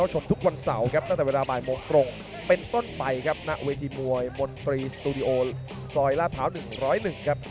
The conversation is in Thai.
หน้าเวทย์มวยมนตรีสตูดิโอซอยละเผา๑๐๑ครับ